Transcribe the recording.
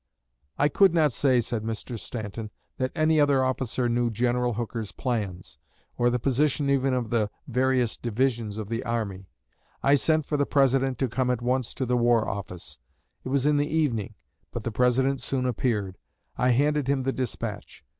"I could not say," said Mr. Stanton, "that any other officer knew General Hooker's plans, or the position even of the various divisions of the army. I sent for the President to come at once to the War Office. It was in the evening, but the President soon appeared. I handed him the despatch.